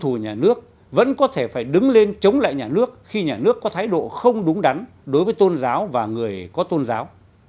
những tôn giáo của nhà nước vẫn có thể phải đứng lên chống lại nhà nước khi nhà nước có thái độ không đúng đắn đối với tôn giáo và người có tôn giáo